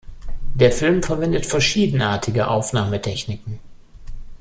Der Film verwendet verschiedenartige Aufnahmetechniken.